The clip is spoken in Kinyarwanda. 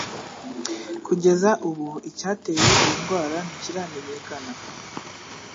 Kugeza ubu, icyateye iyi ndwara ntikiramenyekana.